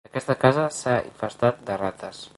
Aquesta casa s'ha infestat de rates.